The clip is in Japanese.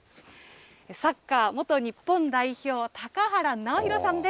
サッカー元日本代表、高原直泰さんです。